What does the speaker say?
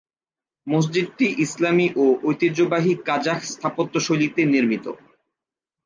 মসজিদটি ইসলামি ও ঐতিহ্যবাহী কাজাখ স্থাপত্যশৈলীতে নির্মিত।